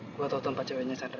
gue tau tempat ceweknya chandra